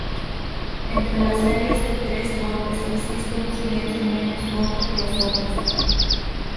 Entre las series de tres golpes existe un silencio menos corto que los otros.